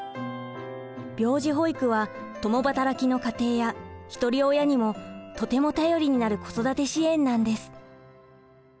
病児保育は共働きの家庭や一人親にもとても頼りになる子育て支援なんです。